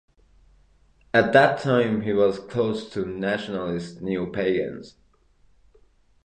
At that time he was close to nationalist neo-Pagans.